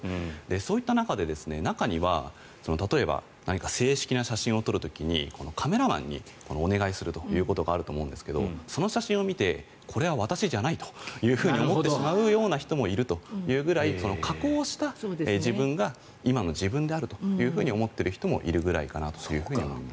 そういった中で、中には例えば何か正式な写真を撮る時にカメラマンにお願いするということがあると思うんですがその写真を見てこれは私じゃないと思ってしまうような人もいるぐらい加工した自分が今の自分であると思っている人もいるくらいかなと思います。